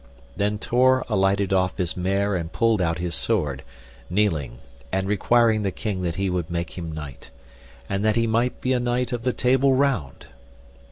Then Tor alighted off his mare and pulled out his sword, kneeling, and requiring the king that he would make him knight, and that he might be a knight of the Table Round.